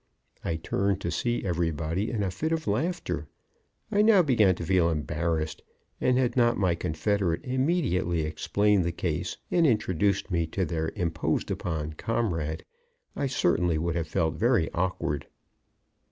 I turned to see everybody in a fit of laughter; I now began to feel embarrassed, and had not my confederate immediately explained the case and introduced me to their imposed upon comrade, I certainly would have felt very awkward.